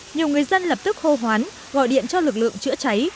nhiều người dân lập tức hô hoán gọi điện cho lực lượng chữa cháy